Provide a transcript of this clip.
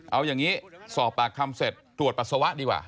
เอาอย่างนี้สอบปากคำเสร็จตรวจปัสสาวะดีกว่า